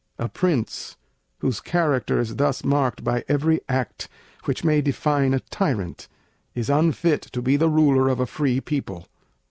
A Prince, whose character is thus marked by every act which may define a Tyrant, is unfit to be the ruler of a free People.